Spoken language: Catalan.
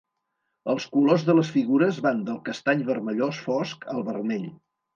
Els colors de les figures van del castany-vermellós fosc al vermell.